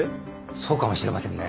そうかもしれませんね。